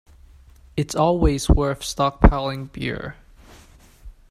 It’s always worth stockpiling beer.